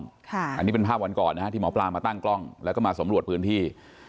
อันนี้เป็นภาพวันก่อนนะฮะที่หมอปลามาตั้งกล้องแล้วก็มาสำรวจพื้นที่